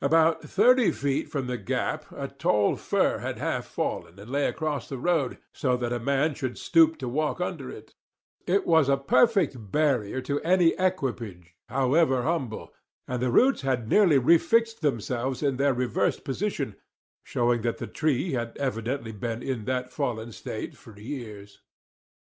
About thirty feet from the gap a tall fir had half fallen, and lay across the road, so that a man should stoop to walk under it; it was a perfect barrier to any equipage, however humble, and the roots had nearly refixed themselves in their reversed position, showing that the tree had evidently been in that fallen state for years.